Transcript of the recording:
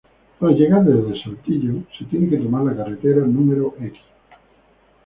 Para llegar desde Saltillo, se tiene que tomar la carretera No.